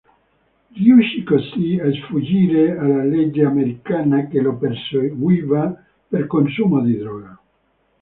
Riuscì così a sfuggire alla legge americana che lo perseguiva per consumo di droga.